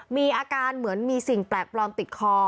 มีอาการเหมือนมีสิ่งแปลกปลอมติดคอ